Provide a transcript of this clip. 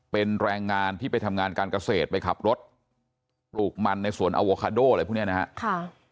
เป็นแรงงานที่ไปทำงานการเกษตรไปขับรถปลูกมันในสวนอโวคาโดอะไรพวกนี้นะครับ